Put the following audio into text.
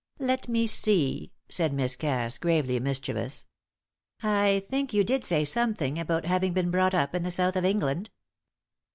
"Let me see," said Miss Cass, gravely mischievous. "I think you did say something about having been brought up in the South of England."